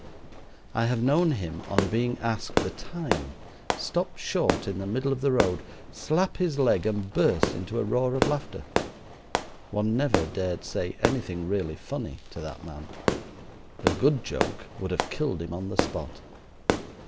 I have known him on being asked the time stop short in the middle of the road, slap his leg, and burst into a roar of laughter. One never dared say anything really funny to that man. A good joke would have killed him on the spot.